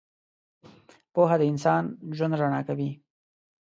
• پوهه د انسان ژوند رڼا کوي.